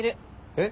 えっ？